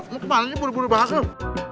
mau kembali nih buru buru banget